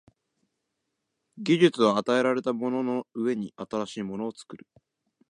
技術は与えられたものの上に新しいものを作る。